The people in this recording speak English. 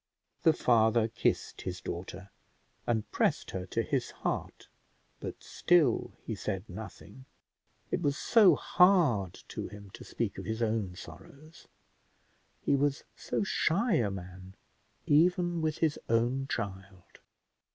The father kissed his daughter, and pressed her to his heart; but still he said nothing: it was so hard to him to speak of his own sorrows; he was so shy a man even with his own child!